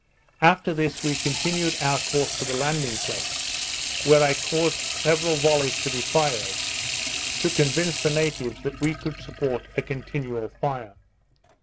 After this we continued our course to the landing place, where I caused several vollies to be fired, to convince the natives that we could support a continual fire.